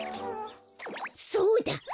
そうだ！